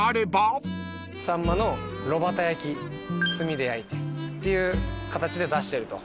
さんまの炉端焼き炭で焼いてっていう形で出してると。